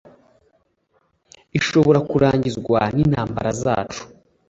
ishobora kurangizwa n’itambara zacu